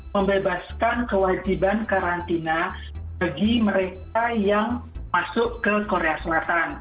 membebaskan kewajiban karantina bagi mereka yang masuk ke korea selatan